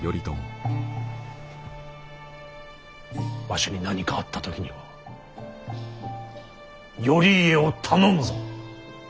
わしに何かあった時には頼家を頼むぞ。